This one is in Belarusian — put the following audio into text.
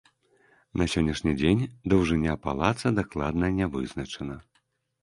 На сённяшні дзень даўжыня палаца дакладна не вызначана.